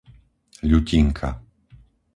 Ľutinka